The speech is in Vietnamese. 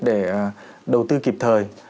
để đầu tư kịp thời